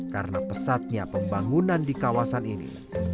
karena pesatnya pembangunan di kawasan ini